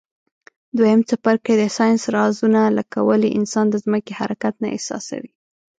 دویم څپرکی د ساینس رازونه لکه ولي انسان د ځمکي حرکت نه احساسوي.